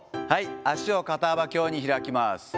足を肩幅強に開きます。